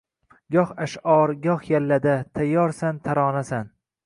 Goh ashʼor, goh yallada – tayyorsan, taronasan.